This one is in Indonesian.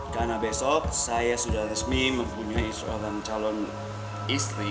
karena besok saya sudah resmi mempunyai suatu calon istri